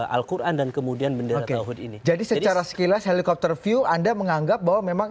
al quran dan kemudian bendera ini jadi secara sekilas helikopter view anda menganggap bahwa memang